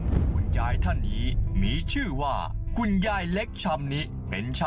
คุณยายท่านนี้มีชื่อว่าคุณยายเล็กชำนิเป็น